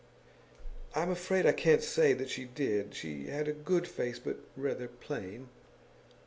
'I'm afraid I can't say that she did. She had a good face, but rather plain.